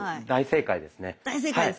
大正解ですか？